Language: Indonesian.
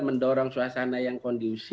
mendorong suasana yang kondisi